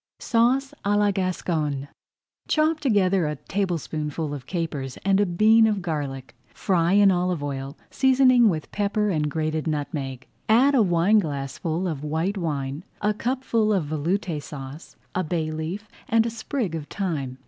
SAUCE À LA GASCONNE Chop together a tablespoonful of capers and a bean of garlic. Fry in olive oil, seasoning with pepper and grated nutmeg. Add a wineglassful of white wine, a cupful of Veloute Sauce, a bay leaf, and a sprig of thyme.